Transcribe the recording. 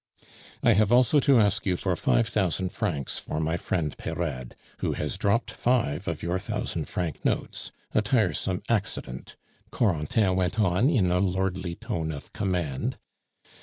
"I have also to ask you for five thousand francs for my friend Peyrade, who has dropped five of your thousand franc notes a tiresome accident," Corentin went on, in a lordly tone of command.